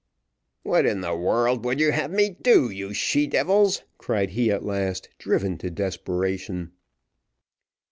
"What in the world would you have me do, you she devils?" cried he at last, driven to desperation.